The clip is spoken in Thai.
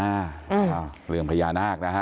อ้าวเรื่องพญานาคนะฮะ